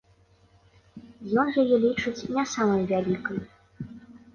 Ён яе лічыць не самай вялікай.